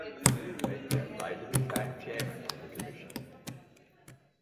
Metke later became chairman of the commission.